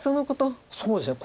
そうですね